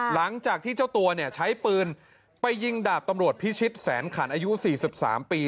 หลังจากที่เจ้าตัวเนี่ยใช้ปืนไปยิงดาบตำรวจพิชิตแสนขันอายุ๔๓ปี